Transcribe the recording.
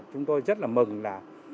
chúng tôi rất là mừng là